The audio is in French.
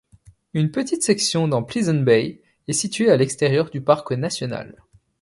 Une petite section dans Pleasant Bay est située à l'extérieur du parc national.